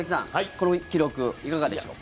この記録、いかがでしょうか。